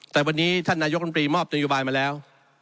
แต่วันนี้ท่านนายกรรมตรีมอบนโยบายมาแล้ว